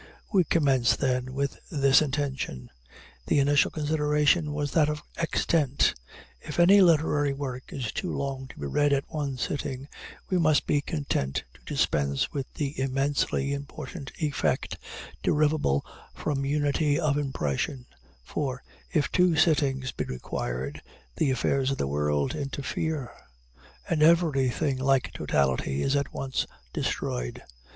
We commence, then, with this intention. The initial consideration was that of extent. If any literary work is too long to be read at one sitting, we must be content to dispense with the immensely important effect derivable from unity of impression for, if two sittings be required, the affairs of the world interfere, and everything like totality is at once destroyed.